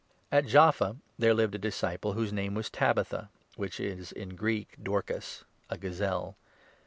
At Jaffa there lived a disciple whose name was Tabitha, 36 which is in Greek 'Dorcas' — a Gazelle.